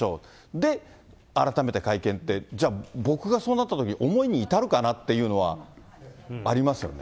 で、改めて会見って、じゃあ、僕がそうなったとき、思いに至るかなっていうのはありますよね。